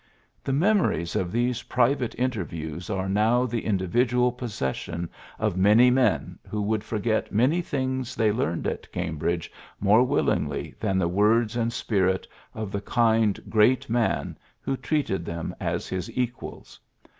The memories of these private interviews are now the individ ual possessions of many men who w^ould forget many things they learned at Cam bridge more willingly than the words and spirit of the kind, great man who treated them as his equals.